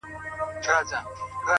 o گراني په تا باندي چا كوډي كړي ـ